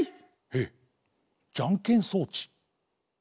えっじゃんけん装置？